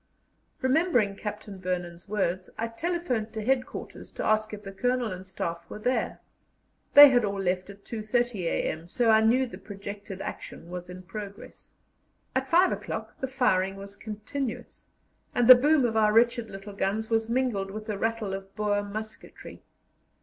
Remembering Captain Vernon's words, I telephoned to Headquarters to ask if the Colonel and Staff were there. They had all left at 2.30 a.m., so I knew the projected action was in progress. At five o'clock the firing was continuous, and the boom of our wretched little guns was mingled with the rattle of Boer musketry.